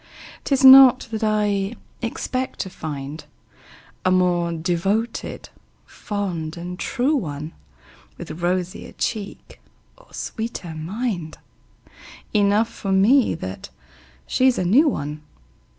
'Tis not that I expect to find A more devoted, fond and true one, With rosier cheek or sweeter mind Enough for me that she's a new one.